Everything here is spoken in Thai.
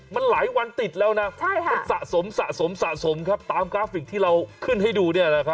มันหลายวันติดแล้วนะมันสะสมสะสมสะสมครับตามกราฟิกที่เราขึ้นให้ดู